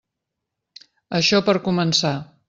Això per començar.